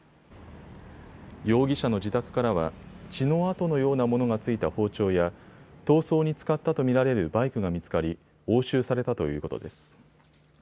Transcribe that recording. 容疑者の自宅からは血の跡のようなものが付いた包丁や逃走に使ったと見られるバイクが見つかり押収されたということです。